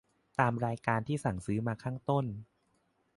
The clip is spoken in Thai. ตามรายการที่สั่งซื้อมาข้างต้น